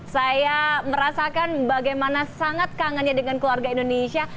saya merasakan bagaimana sangat kangennya dengan keluarga indonesia